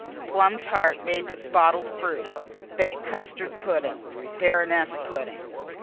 Plum tart made with bottled fruit, baked custard pudding, Baroness pudding.